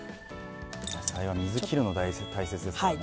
野菜は水切るの大切ですよね。